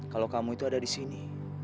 kalau kamu itu ada di sini